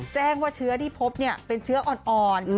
แจ้งว่าเชื้อที่พบเป็นเชื้ออ่อน